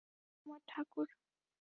হাঁ আমার ঠাকুর।